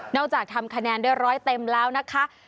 จากทำคะแนนได้ร้อยเต็มแล้วนะคะ